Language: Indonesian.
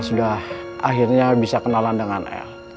sudah akhirnya bisa kenalan dengan l